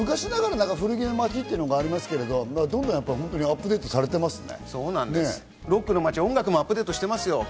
昔ながらの古着の街というのはありますけれども、どんどんアップデートされていますね。